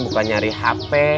bukan nyari hp